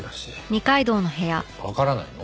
えっわからないの？